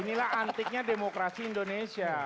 inilah antiknya demokrasi indonesia